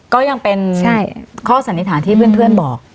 ก็ยังเป็นข้อสันนิษฐานที่เพื่อนบอก